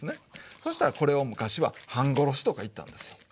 そしたらこれを昔は「半殺し」とか言ったんですよ。